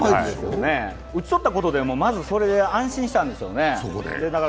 打ち取ったことで、まずそれで安心したんでしょうね。